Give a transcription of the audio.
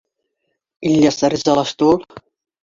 — Ильяс ризалашты ул.